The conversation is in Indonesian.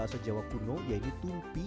asal jawa kuno yaitu tumpi